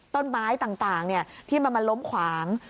ต้นไม้ต่างที่มันมาล้มขวาง